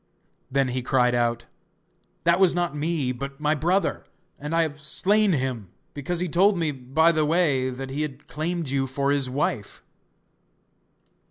Then he cried out: 'That was not me, but my brother, and I have slain him, because he told me by the way that he had claimed you for his wife!